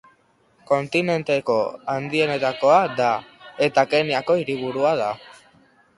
Kontinenteko handienetakoa da, eta Kenyako hiriburua da.